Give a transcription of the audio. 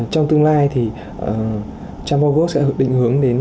trong tương lai thì trans bốn work sẽ định hướng đến